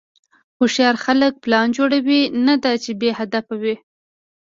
هوښیار خلک پلان جوړوي، نه دا چې بېهدفه وي.